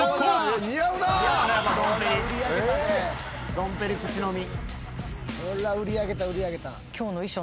ドンペリ口飲み。